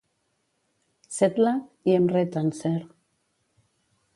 Sedlak, i Emre Tuncer.